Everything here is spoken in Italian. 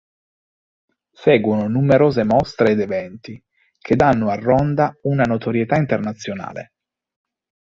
Seguono numerose mostre ed eventi che danno a Ronda “una notorietà internazionale”.